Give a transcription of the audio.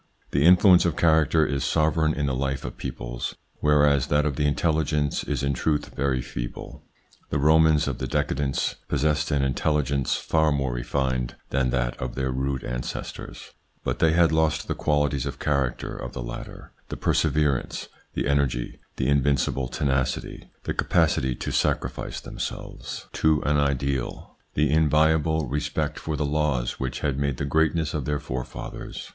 The influence of character is sovereign in the life of peoples, whereas that of the intelligence is in truth very feeble. The Romans of the decadence possessed intelligence far more refined than that of their rude ancestors, but they had lost the qualities of character of the latter ; the perseverance, the energy, the invincible tenacity, the capacity to sacrifice them 4 34 THE PSYCHOLOGY OF PEOPLES: selves to an ideal, the inviolable respect for the laws which had made the greatness of their forefathers.